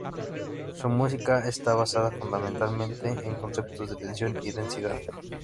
Su música está basada fundamentalmente en conceptos de tensión y densidad.